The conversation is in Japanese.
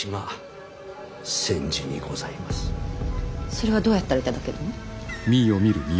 それはどうやったら頂けるの。